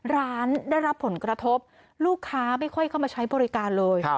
ร้านได้รับผลกระทบลูกค้าไม่ค่อยเข้ามาใช้บริการเลย